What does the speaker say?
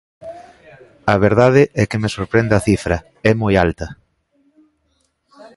A verdade é que me sorprende a cifra, é moi alta.